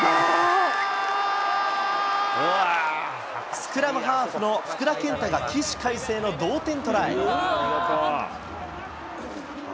スクラムハーフの福田健太が起死回生の同点トライ。